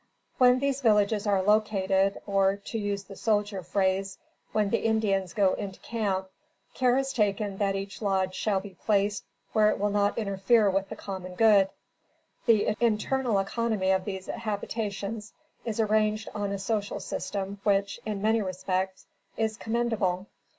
When these villages are located, or, to use soldier phrase; when the Indians go into camp, care is taken that each lodge shall be placed where it will not interfere with the common good. The internal economy of these habitations is arranged on a social system which, in many respects, is commendable.